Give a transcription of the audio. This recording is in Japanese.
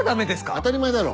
当たり前だろ！